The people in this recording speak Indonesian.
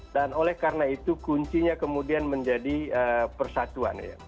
dan oleh karena itu kuncinya kemudian menjadi persatuan